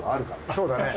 そうだね